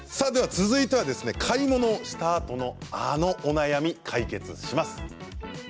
続いては買い物したあとのあのお悩み解決します。